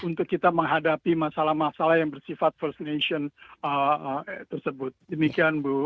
untuk kita menghadapi masalah masalah yang bersifat first nation tersebut demikian bu